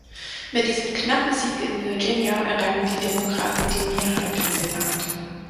Mit diesem knappen Sieg in Virginia errangen die Demokraten die Mehrheit im Senat.